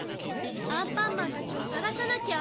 アンパンマンたちをさがさなきゃ！